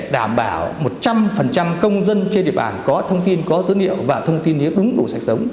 đảm bảo một trăm linh công dân trên địa bàn có thông tin có dữ liệu và thông tin nếu đúng đủ sạch sống